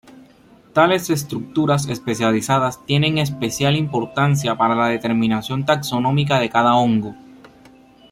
Tales estructuras especializadas tienen especial importancia para la determinación taxonómica de cada hongo.